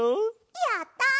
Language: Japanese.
やった！